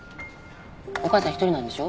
お母さん一人なんでしょ？